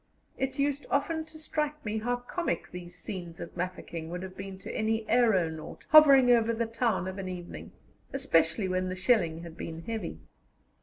It used often to strike me how comic these scenes at Mafeking would have been to any aeronaut hovering over the town of an evening, especially when the shelling had been heavy.